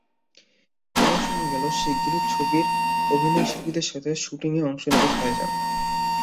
এবার শোনা গেল, শিগগিরই ছবির অভিনয়শিল্পীদের সঙ্গে শুটিংয়ে অংশ নেবেন ভাইজান।